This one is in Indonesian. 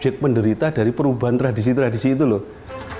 penderita dari perubahan tradisi tradisi itu lho